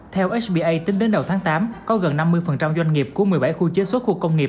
theo sba tính đến đầu tháng tám có gần năm mươi doanh nghiệp của một mươi bảy khu chế xuất khu công nghiệp